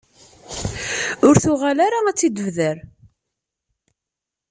Ur tuɣal ara ad t-id-tebder.